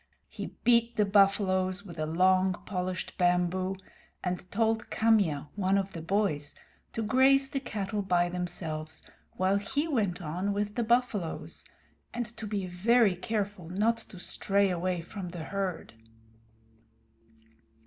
He beat the buffaloes with a long, polished bamboo, and told Kamya, one of the boys, to graze the cattle by themselves, while he went on with the buffaloes, and to be very careful not to stray away from the herd.